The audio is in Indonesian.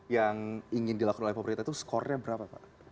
yang ingin dilakukan oleh pemerintah itu skornya berapa pak